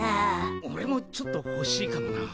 オレもちょっとほしいかもな。